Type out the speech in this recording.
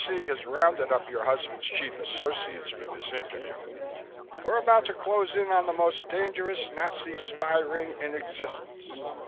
C. has rounded up your husband's chief associates for this interview. We're about to close in on the most dangerous Nazi spy ring in existence.